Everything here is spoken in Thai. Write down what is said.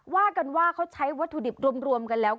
ว่ากันว่าเขาใช้วัตถุดิบรวมกันแล้ว